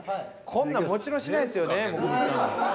こんなんもちろんしないですよねもこみちさん。